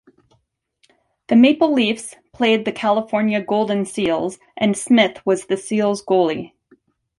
The Maple Leafs played the California Golden Seals and Smith was the Seals goalie.